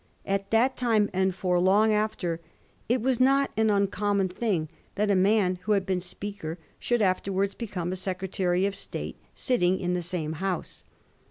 At that time, and for long after, it was not an uncommon thing that a man who had been Speaker should afterwards become a Secretary of State, sitting in the same House.